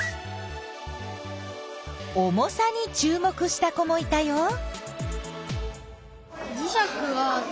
重さにちゅう目した子もいたよ。